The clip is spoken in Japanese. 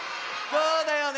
そうだよね